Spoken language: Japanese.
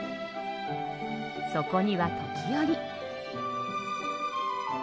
そこには時折。